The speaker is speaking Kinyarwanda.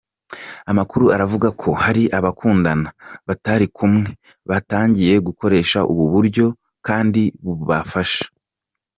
Amakuru aravuga ko hari abakundana batari kumwe batangiye gukoresha ubu buryo kandi bubafasha.